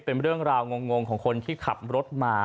เป็นเรื่องราวงงของคนที่ขับรถมา